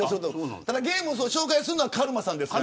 ただ、ゲームを紹介するのはカルマさんです。